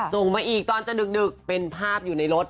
ส่งมาอีกตอนจะดึกเป็นภาพอยู่ในรถ